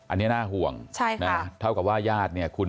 อันนี้หน้าห่วงเท่ากับว่าญาติคุณ